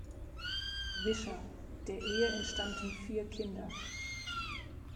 Wischer; der Ehe entstammten vier Kinder.